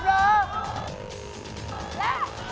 และ